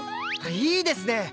いいですね！